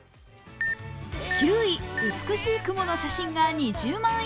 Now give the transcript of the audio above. ９位、美しい雲の写真が２０万